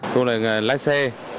tôi là người lái xe